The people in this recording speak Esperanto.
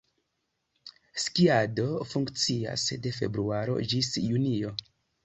Skiado funkcias de februaro ĝis junio.